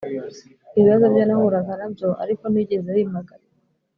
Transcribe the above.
ibibazo byo nahuraga na byo arik ntibyigeze bimagarika